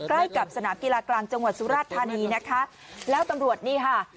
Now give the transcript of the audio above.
ใกล้กับสนามกีฬากลางจังหวัดสุราชธานีนะคะแล้วตำรวจนี่ค่ะ